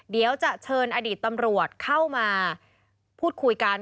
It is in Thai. เดี๋ยวจะเชิญอดีตตำรวจเข้ามาพูดคุยกัน